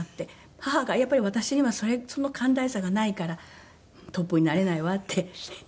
母が「やっぱり私にはその寛大さがないからトップになれないわ」ってよく言ってました。